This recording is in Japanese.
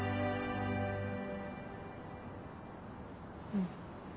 うん。